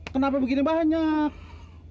kenapa begini banyak